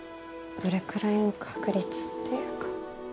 どれくらいの確率っていうか